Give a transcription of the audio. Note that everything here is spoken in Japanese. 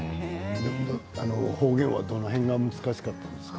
方言はどの辺が難しかったですか？